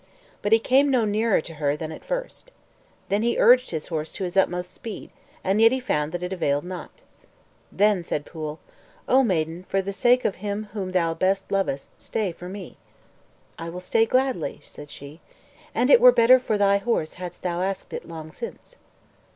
But he came no nearer to her than at first. Then he urged his horse to his utmost speed, yet he found that it availed not. Then said Pwyll, "O maiden, for the sake of him whom thou best lovest, stay for me." "I will stay gladly," said she; "and it were better for thy horse hadst thou asked it long since."